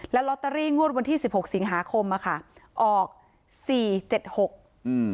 ลอตเตอรี่งวดวันที่สิบหกสิงหาคมอ่ะค่ะออกสี่เจ็ดหกอืม